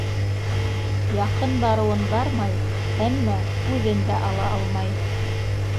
Яҡын барыуын бармай, әммә күҙен дә ала алмай.